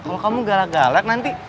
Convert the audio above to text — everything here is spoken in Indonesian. kalau kamu galak galak nanti